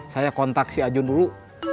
saya kontak si ajun dulu